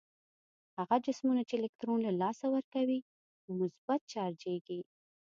هغه جسمونه چې الکترون له لاسه ورکوي مثبت چارجیږي.